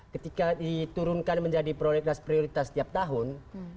ketika diturunkan menjadi prolegnas prioritas setiap tahun